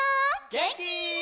げんき？